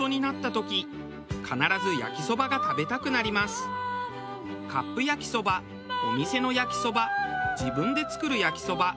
私はカップ焼きそばお店の焼きそば自分で作る焼きそば。